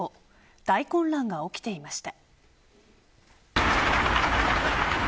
大混乱が起きていました。